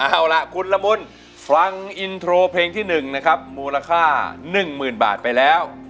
เอาล่ะคุณละมุนฟังอินโทรเพลงที่๑นะครับมูลค่า๑๐๐๐บาทไปแล้ว